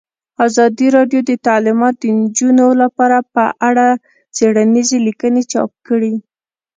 ازادي راډیو د تعلیمات د نجونو لپاره په اړه څېړنیزې لیکنې چاپ کړي.